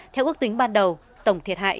theo ước tính ban đầu tổng thiệt hại